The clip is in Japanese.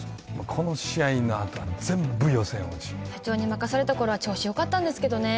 この試合のあとは全部予選落ち社長に任された頃は調子よかったんですけどね